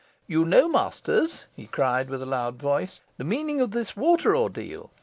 You know, masters," he cried, with a loud voice, "the meaning of this water ordeal.